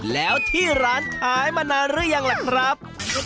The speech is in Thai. แล้วที่ร้านขายมานานหรือยังล่ะครับ